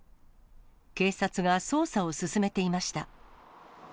警察が捜査を進めていました。